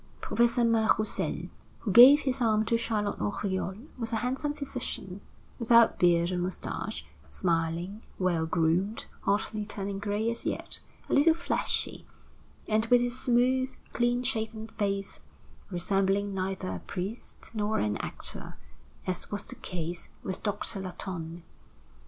Professor Mas Roussel, who gave his arm to Charlotte Oriol, was a handsome physician, without beard or mustache, smiling, well groomed, hardly turning gray as yet, a little fleshy, and, with his smooth, clean shaven face, resembling neither a priest nor an actor, as was the case with Doctor Latonne.